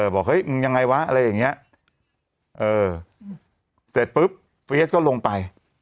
บอกเฮ้ยมึงยังไงวะอะไรอย่างเงี้ยเออเสร็จปุ๊บเฟียสก็ลงไป